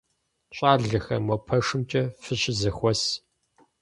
Щӏалэхэр мо пэшымкӏэ фыщызэхуэс.